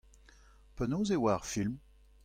Penaos e oa ar film ?